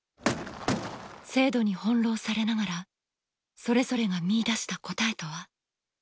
制度に翻弄されながら、それぞれが見いだした答えとは？